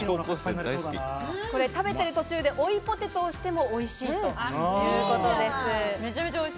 食べてる途中で追いポテトをしてもおいしいということです。